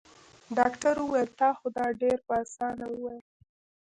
ډاکټر وويل تا خو دا ډېر په اسانه وويل.